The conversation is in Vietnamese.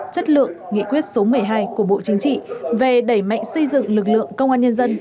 chất lượng nghị quyết số một mươi hai của bộ chính trị về đẩy mạnh xây dựng lực lượng công an nhân dân